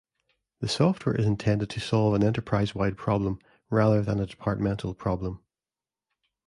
The software is intended to solve an enterprise-wide problem, rather than a departmental problem.